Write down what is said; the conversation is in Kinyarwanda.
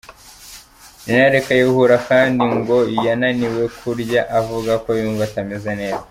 Gen Kayihura kandi ngo yananiwe kurya avuga ko yumva atameze neza.